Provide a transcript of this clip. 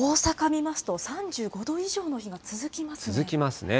見ますと、３５度以上の続きますね。